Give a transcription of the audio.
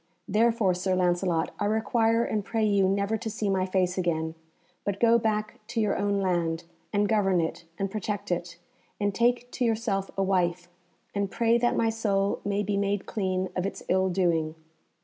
Therefore, Sir Lancelot, I require and pray you never to see my face again, but go back to your own land, and govern it and protect it; and take to yourself a wife, and pray that my soul may be made clean of its ill doing."